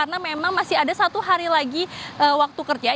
nah itu pun masih hari lagi waktu kerjanya